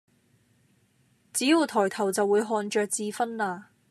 只要抬頭就會看著智勳啦！